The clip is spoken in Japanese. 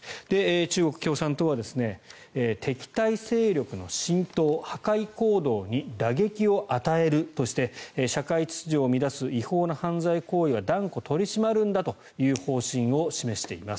中国共産党は敵対勢力の浸透、破壊行動に打撃を与えるとして社会秩序を乱す違法な犯罪行為を断固取り締まるんだという方針を示しています。